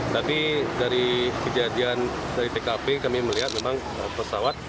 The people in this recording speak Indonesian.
tapi dari kejadian dari tkp kami melihat memang pesawat